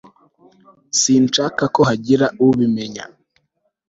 sinshaka ko hagira ubimenya